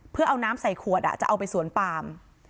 เพื่อเอาน้ำใส่ขวดจะเอาไปสวนปาม